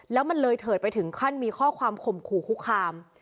แล้วมันเลยเถิดไปถึงขั้นมีข้อความข่มขู่คุกคาม